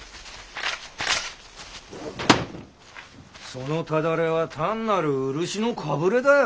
そのただれは単なる漆のかぶれだよ。